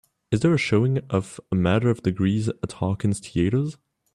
Is there a showing of A Matter of Degrees at Harkins Theatres